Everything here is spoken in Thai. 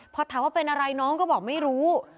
พอถามว่าเป็นอะไรน้องก็บอกไม่รู้